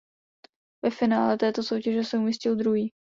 Ve finále této soutěže se umístil druhý.